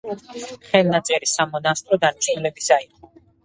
ხელნაწერი სამონასტრო დანიშნულებისა იყო.